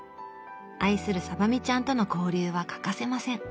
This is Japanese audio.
愛するサバ美ちゃんとの交流は欠かせません！